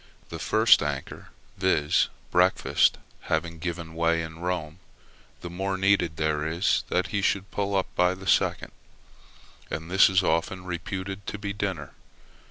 The first anchor, viz., breakfast, having given way in Rome, the more need there is that he should pull up by the second; and that is often reputed to be dinner.